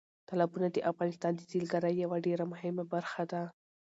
تالابونه د افغانستان د سیلګرۍ یوه ډېره مهمه برخه ده.